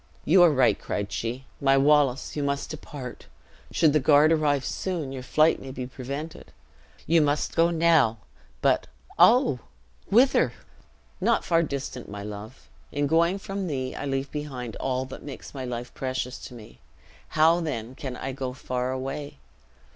"You are right," cried she. "My Wallace, you must depart. Should the guard arrive soon, your flight may be prevented. You must go now but, oh! whither?" "Not far distant, my love. In going from thee, I leave behind all that makes my life precious to me; how then can I go far away?